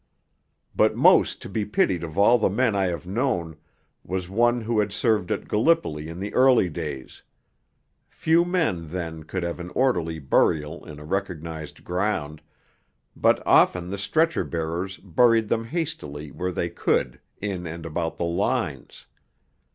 But most to be pitied of all the men I have known, was one who had served at Gallipoli in the early days; few men then could have an orderly burial in a recognized ground, but often the stretcher bearers buried them hastily where they could in and about the lines.